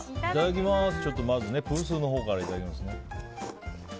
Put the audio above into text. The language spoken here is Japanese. まずプースーのほうからいただきますね。